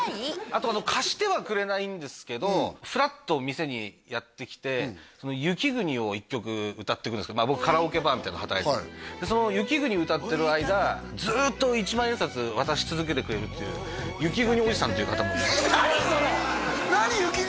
あと貸してはくれないんですけどふらっと店にやって来て「雪国」を１曲歌ってくんです僕カラオケバーみたいなとこで働いてて渡し続けてくれるっていう雪国おじさんっていう方も何？